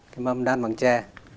cái mâm đan bằng tre